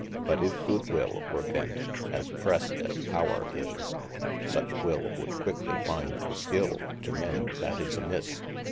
But if good will were bent as prest as power is, Such will would quicklie find the skil to mende that is a misse.